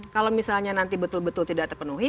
kalau misalnya nanti betul betul tidak terpenuhi